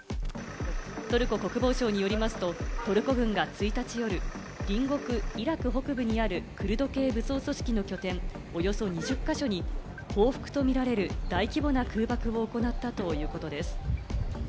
トルコ国防省によりますとトルコ軍が１日夜、隣国・イラク北部にあるクルド系武装組織の拠点、およそ２０か所に報復とみられる大規模な空爆を行ったということです。